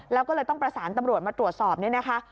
แล้วก็เลยต้องประสานตำรวจมาตรวจสอบนี่นะคะ